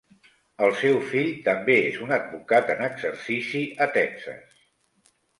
El seu fill també és un advocat en exercici a Texas.